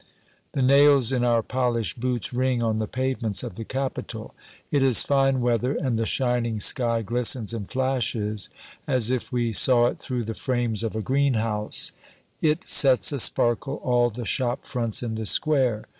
The nails in our polished boots ring on the pavements of the capital. It is fine weather, and the shining sky glistens and flashes as if we saw it through the frames of a greenhouse; it sets a sparkle all the shop fronts in the square.